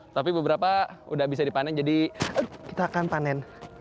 tapi beberapa udah bisa dipanen jadi kita akan panen